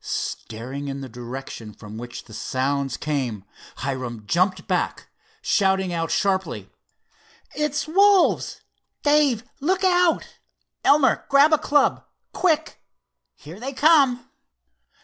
Staring in the direction from which the sounds came, Hiram jumped back, shouting out sharply: "It's wolves! Dave, look out! Elmer, grab a club! Quick! Here they come!"